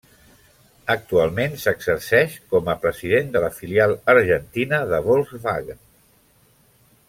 Actualment s'exerceix com a president de la filial argentina de Volkswagen.